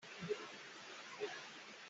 Na saya bia ngai.